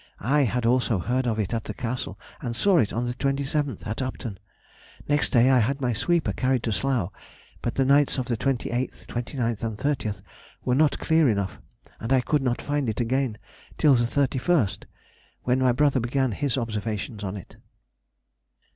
I had also heard of it at the Castle, and saw it on the 27th at Upton. Next day I had my sweeper carried to Slough, but the nights of the 28th, 29th, and 30th were not clear enough, and I could not find it again till the 31st, when my brother began his observations on it....